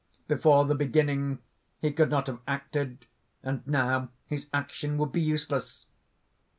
] "Before the beginning he could not have acted; and now his action would be useless."